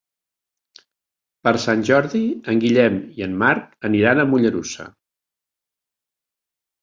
Per Sant Jordi en Guillem i en Marc aniran a Mollerussa.